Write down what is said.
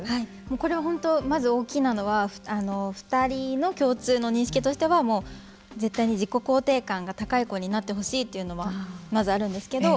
これは本当まず大きなのは２人の共通の認識としては絶対に自己肯定感が高い子になってほしいというのはまずあるんですけど。